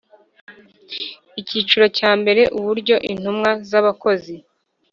Icyiciro cya mbere Uburyo intumwa z abakozi